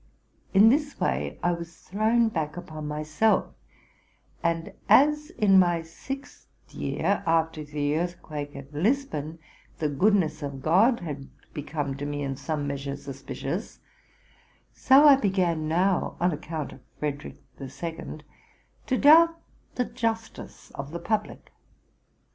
In this way I was thrown back upon myself ; and as in my sixth year, after the earthquake at Lisbon, the goodness of God had become to me in some measure suspicious : so I began now, on account of Frederick the Second, to doubt the justice of the public.